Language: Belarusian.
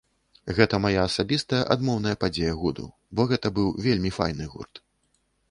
Гэта мая асабістая адмоўная падзея году, бо гэта быў вельмі файны гурт.